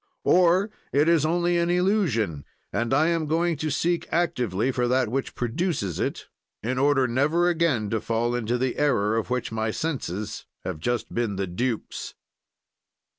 "Or it is only an illusion, and I am going to seek actively for that which produces it, in order never again to fall into the error of which my senses have just been the dupes."